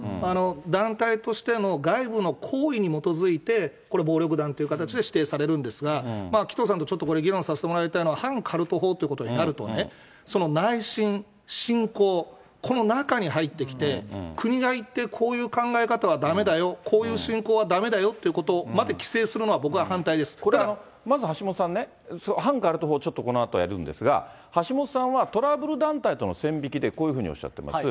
団体としての外部の行為に基づいて、これ、暴力団という形で指定されるんですが、紀藤さんとちょっとこれ、議論させてもらいたいのは、反カルト法ということになるとね、その内心、信仰、この中に入ってきて、国が一定、こういう考え方はだめだよ、こういう信仰はだめだよということまで規制する、これは、まず橋下さんね、反カルト法、このあとやるんですが、橋下さんはトラブル団体との線引きで、こういうふうにおっしゃっています。